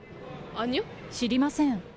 知りません。